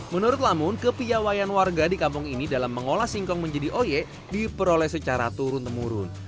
menurut lamun kepiawayan warga di kampung ini dalam mengolah singkong menjadi oyek diperoleh secara turun temurun